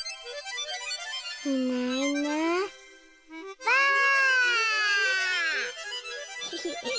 いないいないばあっ！